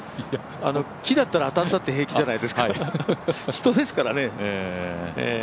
木だったら当たったって平気じゃないですか、人ですからね。